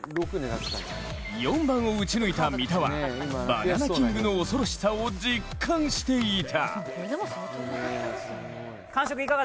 ４番を打ち抜いた三田はバナナＫＩＮＧの恐ろしさを実感していた。